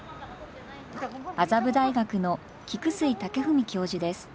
麻布大学の菊水健史教授です。